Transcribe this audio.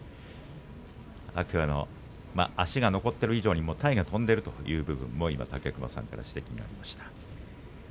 天空海の足が残っている以上に体が跳んでいるという指摘が武隈さんからありました。